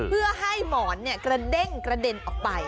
เพื่อให้หมอนกระเด้งกระเด็นออกไป